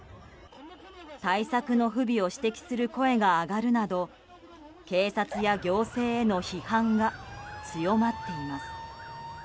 対策の不備を指摘する声が上がるなど警察や行政への批判が強まっています。